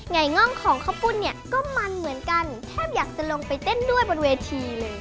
ไงง่องของข้าวปุ้นเนี่ยก็มันเหมือนกันแทบอยากจะลงไปเต้นด้วยบนเวทีเลย